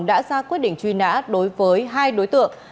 đã ra quyết định truy nã đối với hai đối tượng